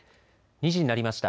２時になりました。